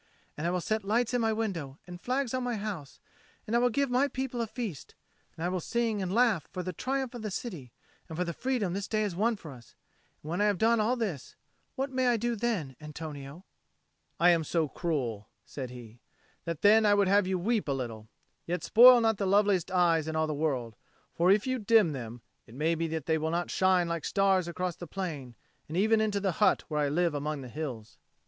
And I will set lights in my window and flags on my house; and I will give my people a feast; and I will sing and laugh for the triumph of the city and for the freedom this day has won for us: and when I have done all this, what may I do then, Antonio?" "I am so cruel," said he, "that then I would have you weep a little: yet spoil not the loveliest eyes in all the world; for if you dim them, it may be that they will not shine like stars across the plain and even into the hut where I live among the hills."